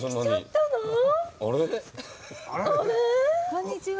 こんにちは。